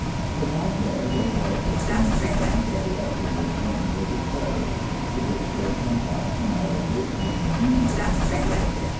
For Gran'père there was a strange garment that he afterward learned was a sweater. It was thick and black and had a big green D on the front of it.